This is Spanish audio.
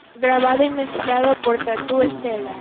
Grabado y Mezclado por Tatu Estela.